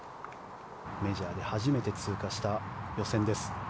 メジャーで初めて通過した予選です。